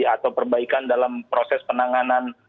atau perbaikan dalam proses penanganan